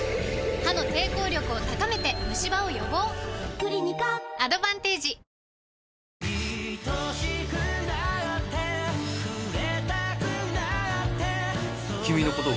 クリニカアドバンテージあれ？